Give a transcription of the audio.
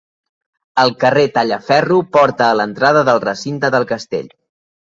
El carrer Tallaferro porta a l'entrada del recinte del castell.